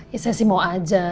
ya saya sih mau aja